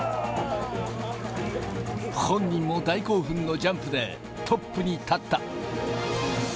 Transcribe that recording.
本人も大興奮のジャンプで、トップに立った。